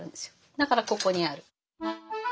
だからここにある。